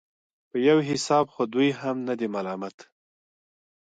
په يو حساب خو دوى هم نه دي ملامت.